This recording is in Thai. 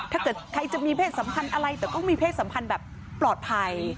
ถ้าเกิดใครจะมีเพศสัมพันธ์อะไรแต่ก็มีเพศสัมพันธ์แบบปลอดภัย